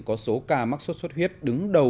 có số ca mắc xuất xuất huyết đứng đầu